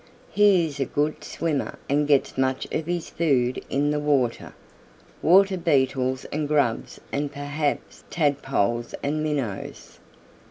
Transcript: He is a good swimmer and gets much of his food in the water water Beetles and grubs and perhaps Tadpoles and Minnows.